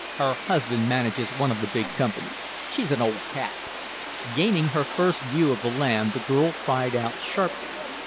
"Her husband manages one of the big companies. She's an old cat." Gaining her first view of the land, the girl cried out, sharply.